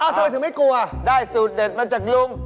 ทำไมถึงไม่กลัวได้สูตรเด็ดมาจากลุง